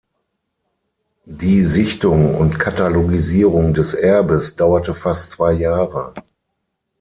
Die Sichtung und Katalogisierung des Erbes dauerte fast zwei Jahre.